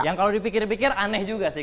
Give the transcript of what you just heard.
yang kalau dipikir pikir aneh juga sih